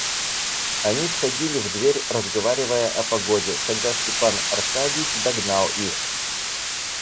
Они входили в дверь, разговаривая о погоде, когда Степан Аркадьич догнал их.